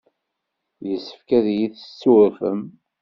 Yessefk ad iyi-tessurfem.